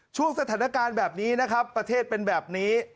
ช่วงสถานการณ์แบบนี้นะครับประเทศเป็นแบบนี้